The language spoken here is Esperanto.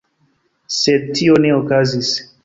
Sed tio ne okazis.